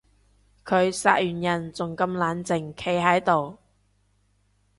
佢殺完人仲咁冷靜企喺度